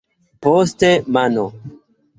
Poste mano.